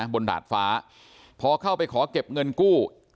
ดาดฟ้าพอเข้าไปขอเก็บเงินกู้